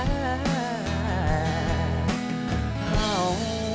เรา